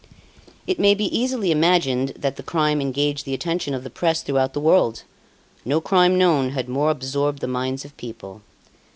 It may be easily imagined that the crime engaged the attention of the press throughout the world. No crime known had more absorbed the minds of people.